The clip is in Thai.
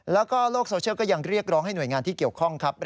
แล้วก็โลกโซเชียลก็ยังเรียกร้องให้หน่วยงานที่เกี่ยวข้องครับ